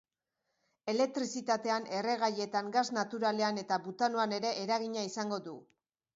Elektrizitatean, erregaietan, gas naturalean eta butanoan ere eragina izango du.